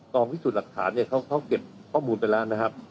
พิสูจน์หลักฐานเนี่ยเขาเก็บข้อมูลไปแล้วนะครับ